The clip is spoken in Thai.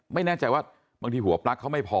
ไม่แน่ใจว่าบางทีหัวปลั๊กเขาไม่พอ